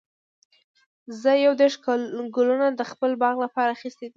زه یو دیرش ګلونه د خپل باغ لپاره اخیستي دي.